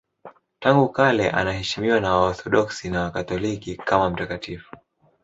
Tangu kale anaheshimiwa na Waorthodoksi na Wakatoliki kama mtakatifu.